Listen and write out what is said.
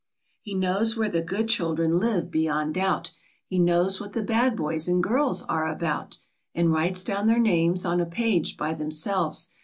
He. knows where the good children live beyond doubt, He knows what the bad boys and girls are about, And writes down their names on a page by themselves.